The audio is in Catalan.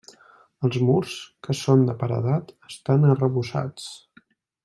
Els murs, que són de paredat, estan arrebossats.